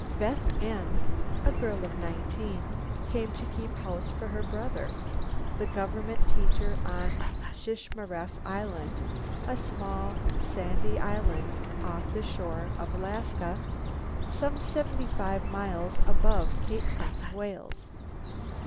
Beth N , a girl of nineteen, came to keep house for her brother, the government teacher on Shishmaref Island a small, sandy island off the shore of Alaska, some seventy five miles above Cape Prince of Wales.